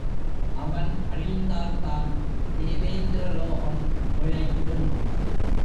அவன் அழிந்தால்தான் தேவேந்திரலோகம் பிழைக்கும்.